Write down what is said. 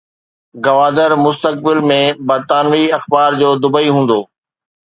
گوادر مستقبل ۾ برطانوي اخبار جو دبئي هوندو